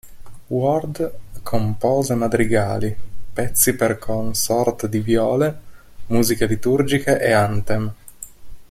Ward compose madrigali, pezzi per consort di viole, musiche liturgiche e anthem.